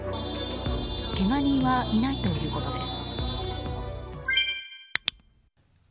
けが人はいないということです。